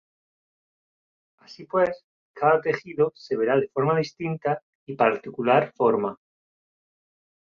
Así pues, cada tejido se verá de distinta y particular forma.